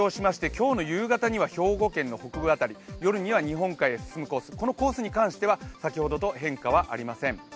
今日の夕方には兵庫県辺り、夜には日本海へ進むコース、このコースに関しては先ほどと変化はありません。